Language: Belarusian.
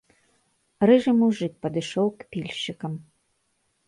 Рыжы мужык падышоў к пільшчыкам.